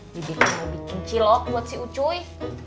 jadi kamu bikin cilok buat si ucuy